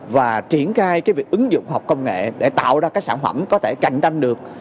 và triển khai cái việc ứng dụng khoa học công nghệ để tạo ra các sản phẩm có thể cạnh tranh được